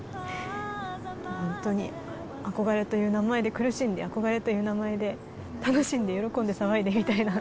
ホントに憧れという名前で苦しんで憧れという名前で楽しんで喜んで騒いでみたいな。